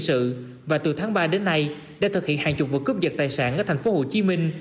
sự và từ tháng ba đến nay đã thực hiện hàng chục vật cướp vật tài sản ở thành phố hồ chí minh